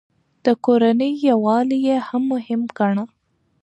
د کورنۍ يووالی يې مهم ګاڼه.